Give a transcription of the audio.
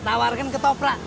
tawarkan ke toprak